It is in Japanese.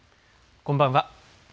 こんばんは。